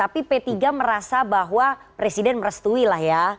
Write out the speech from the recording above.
tapi p tiga merasa bahwa presiden merestui lah ya